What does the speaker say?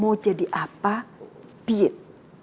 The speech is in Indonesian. mau jadi apa be it